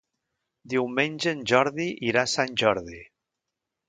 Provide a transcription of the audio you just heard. Diumenge en Jordi irà a Sant Jordi.